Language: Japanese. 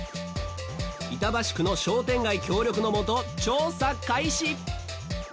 板橋区の商店街協力のもと調査開始。